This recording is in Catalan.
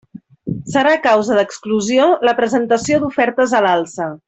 Serà causa d'exclusió la presentació d'ofertes a l'alça.